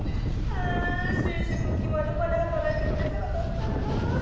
ああ就職決まるまで働いてくれたら助かるなあ。